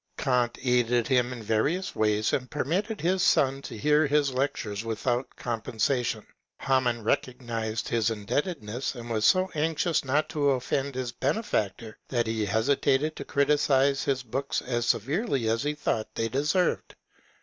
Eant aided him in various ways, and permitted his son to hear his lectures without compensation ; Hamann recognized his indebtedness, and was so anxious not to offend his benefactor that he hesitated to criticize his books as severely as he thought they deserved.